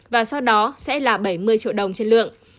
và sau đó sẽ là bảy mươi triệu đồng trên lượng